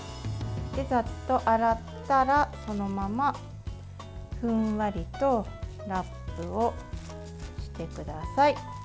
ざっと洗ったら、そのままふんわりとラップをしてください。